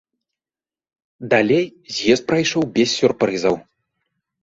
Далей з'езд прайшоў без сюрпрызаў.